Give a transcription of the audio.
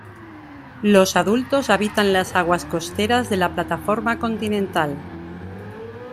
Los adultos habitan las aguas costeras de la plataforma continental.